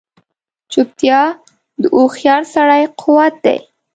چوپتیا، د هوښیار سړي قوت دی.